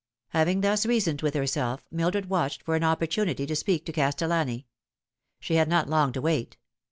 Having thus reasoned with herself, Mildred watched for an opportunity to speak to Castellani. She had not long to wait.